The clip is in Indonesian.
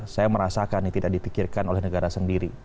saya merasakan ini tidak dipikirkan oleh negara sendiri